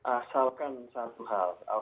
asalkan satu hal